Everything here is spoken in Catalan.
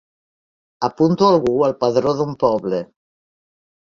Apunto algú al padró d'un poble.